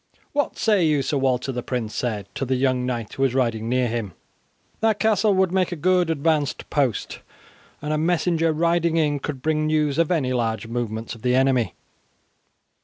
"What say you, Sir Walter?" the prince said to the young knight who was riding near him. "That castle would make a good advanced post, and a messenger riding in could bring news of any large movements of the enemy."